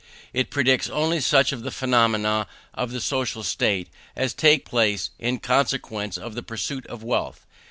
It predicts only such of the phenomena of the social state as take place in consequence of the pursuit of wealth.